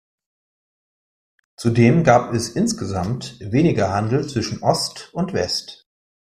Zudem gab es insgesamt weniger Handel zwischen Ost und West.